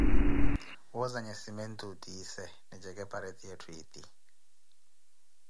woozanye cimenti, otiise, nijeke pareti yetthu eti.